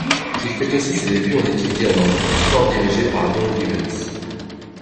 Il fait aussi ses débuts en équipe d’Irlande Espoir dirigée par Don Givens.